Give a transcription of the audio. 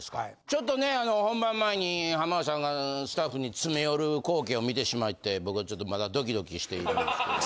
ちょっとね本番前に浜田さんがスタッフに詰め寄る光景を見てしまって僕はちょっとまだドキドキしているんですけど。